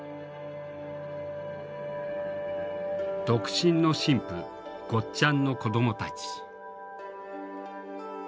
独身の神父ゴッちゃんの子どもたち。